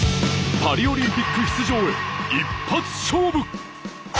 パリオリンピック出場一発勝負！